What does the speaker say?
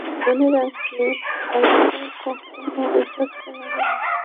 মনে রাখবে, বাড়িতে কখনো এসব চলবেনা!